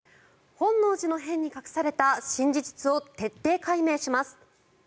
本能寺の変に隠された新事実を徹底解明します。